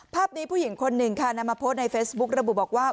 ภาพนี้ผู้หญิงคนหนึ่งค่ะนำมาโพสต์ในเฟซบุ๊กระบุบอกว่า